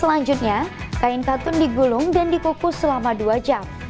selanjutnya kain katun digulung dan dikukus selama dua jam